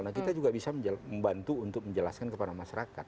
nah kita juga bisa membantu untuk menjelaskan kepada masyarakat